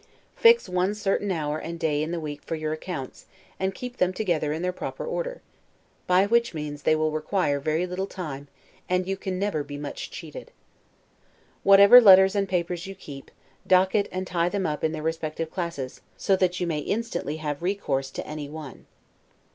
Fix one certain hour and day in the week for your accounts, and keep them together in their proper order; by which means they will require very little time, and you can never be much cheated. Whatever letters and papers you keep, docket and tie them up in their respective classes, so that you may instantly have recourse to any one.